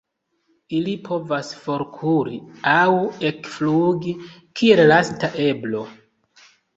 Ili povas forkuri aŭ ekflugi kiel lasta eblo.